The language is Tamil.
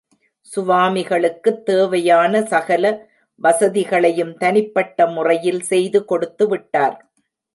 சுவாமிகளுக்குத் தேவையான சகல வசதிகளையும் தனிப்பட்ட முறையில் செய்து கொடுத்து விட்டார்.